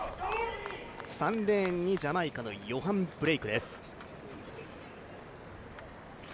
３レーンにジャマイカのヨハン・ブレイクです。